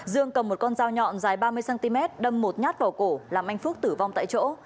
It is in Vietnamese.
dương cầm một con dao nhọn dài ba mươi cm đâm một nhát vào cổ làm anh phước tử vong tại chỗ